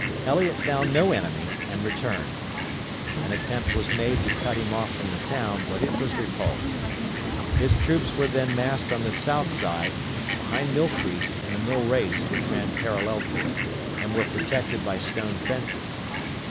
Eliott found no enemy, and returned. An attempt was made to cut him off from the town, but it was repulsed. His troops were then massed on the south side behind Mill Creek and a mill race which ran parallel to it, and were protected by stone fences.